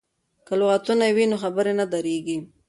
که لغتونه وي نو خبرې نه دریږي.